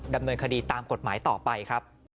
ดำเนินคดีตามกฎหมายต่อไปครับ